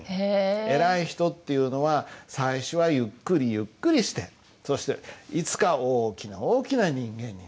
偉い人っていうのは最初はゆっくりゆっくりしてそしていつか大きな大きな人間になる。